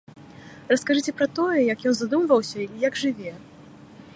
Раскажыце пра тое, як ён задумваўся і як жыве.